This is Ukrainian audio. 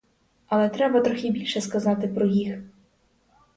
Але треба трохи більше сказати про їх.